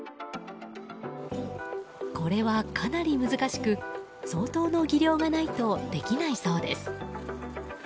これはかなり難しく相当の技量がないとできないそうです。